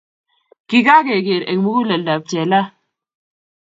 Kikakeker eng muguleldi ab jela.